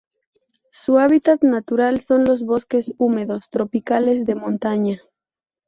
Sus hábitat natural son los bosques húmedos tropicales de montaña.